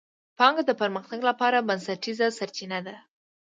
پانګه د پرمختګ لپاره بنسټیزه سرچینه ده.